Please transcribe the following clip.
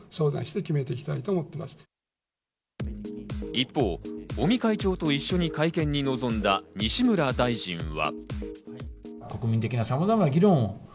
一方、尾身会長と一緒に会見に臨んだ西村大臣は。